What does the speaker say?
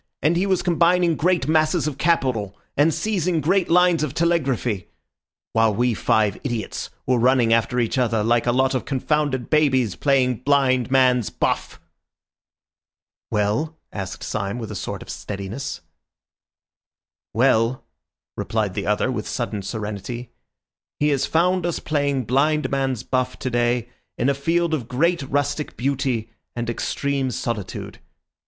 And he was combining great masses of capital, and seizing great lines of telegraphy, while we five idiots were running after each other like a lot of confounded babies playing blind man's buff." "Well?" asked Syme with a sort of steadiness. "Well," replied the other with sudden serenity, "he has found us playing blind man's buff today in a field of great rustic beauty and extreme solitude.